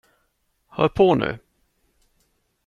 Hör på nu.